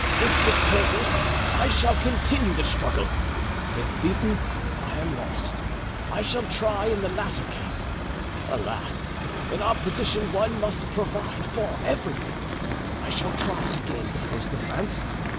If victorious, I shall continue the struggle; if beaten, I am lost. I shall try, in the latter case (alas! in our position, one must provide for everything), I shall try to gain the coast of France.